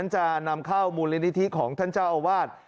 จะนำเข้ามูลนิธิของท่านเจ้าอาวาส